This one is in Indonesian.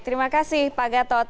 terima kasih pak gatot